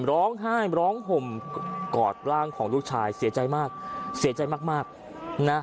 ร้องไห้ร้องห่มกอดร่างของลูกชายเสียใจมากเสียใจมากมากนะ